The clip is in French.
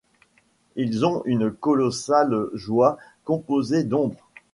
Ils ont une colossale joie composée d’ombre.